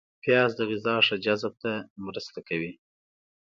پیاز د غذا ښه جذب ته مرسته کوي